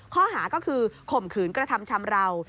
ข้อหาก็คือข่มขืนกระทำชำราว